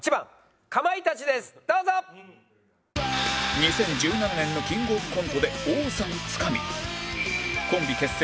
２０１７年のキングオブコントで王座をつかみコンビ結成